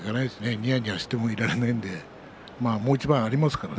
ニヤニヤしてもいられないのでもう一番ありますからね